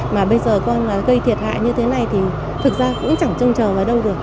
mà bây giờ con gây thiệt hại như thế này thì thực ra cũng chẳng trông chờ vào đâu được